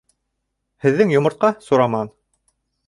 — Һеҙҙең йомортҡа, Сураман!